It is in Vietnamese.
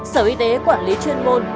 sở y tế quản lý chuyên môn